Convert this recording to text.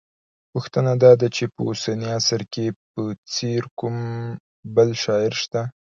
پوښتنه دا ده چې په اوسني عصر کې په څېر کوم بل شاعر شته